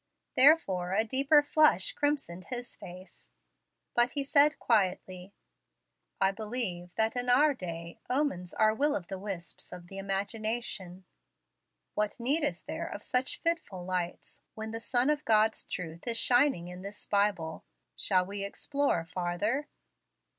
Therefore a deeper flush crimsoned his face; but he said quietly: "I believe that, in our day, omens are will of the wisps of the imagination. What need is there of such fitful lights, when the sun of God's truth is shining in this Bible? Shall we explore farther?"